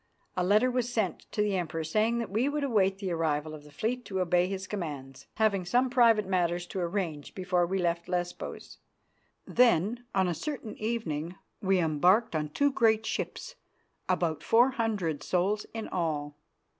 A letter was sent to the Emperor saying that we would await the arrival of the fleet to obey his commands, having some private matters to arrange before we left Lesbos. Then, on a certain evening, we embarked on two great ships, about four hundred souls in all.